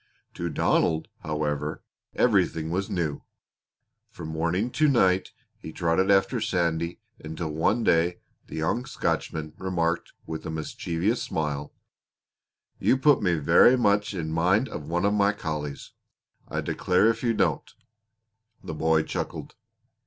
To Donald, however, everything was new. From morning to night he trotted after Sandy until one day the young Scotchman remarked with a mischievous smile: "You put me verra much in mind of one of my collies I declare if you don't!" The boy chuckled.